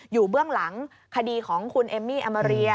เบื้องหลังคดีของคุณเอมมี่อมาเรีย